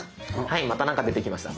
はいまた何か出てきました。